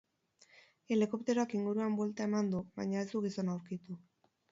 Helikopteroak inguruan buelta eman du, baina ez du gizona aurkitu.